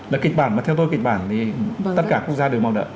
là kịch bản mà theo tôi kịch bản thì tất cả quốc gia đều mong đợi